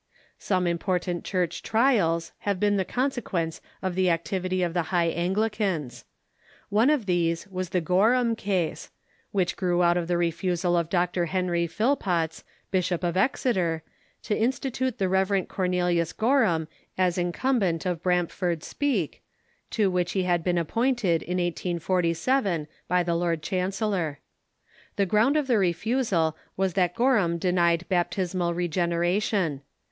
Some important Church trials have been the consequence of the activity of the High Anglicans. One of these was the (xorham Case, which grew out of the refusal of Dr. G h^m'c Henry Phillpotts, Bishop of Exeter, to institute the Rev. Cornelius Gorham as incumbent of Brampford Speke, to which he had been appointed in 1847 by the lord THE SCHOOLS IX THE CHURCH OF ENGLAND 355 chancellor. The ground of the refusal was that Gorhara de nied baptismal regeneration.